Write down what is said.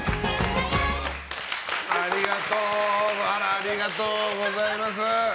ありがとうございます。